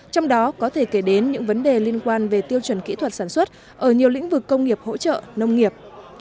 trong đó có thể kể đến những vấn đề liên quan về tiêu chuẩn kỹ thuật sản xuất ở nhiều lĩnh vực công nghiệp hỗ trợ nông nghiệp